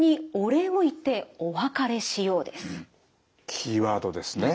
キーワードですね。